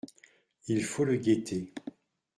Il faut le guetter.